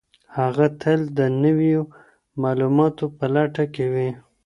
هغه تل د نويو معلوماتو په لټه کي وي.